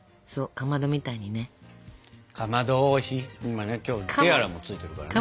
今ね今日ティアラもついてるからね。